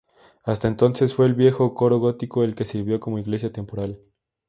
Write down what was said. Hasta entonces, fue el viejo coro gótico el que sirvió como iglesia temporal.